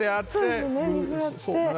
そうですよね水張って。